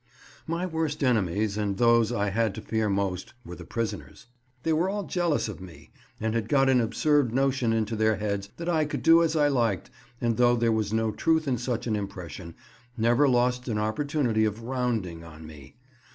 My worst enemies, and those I had to fear most, were the prisoners. They were all jealous of me, and had got an absurd notion into their heads that I could do as I liked, and, though there was no truth in such an impression, never lost an opportunity of "rounding" on me.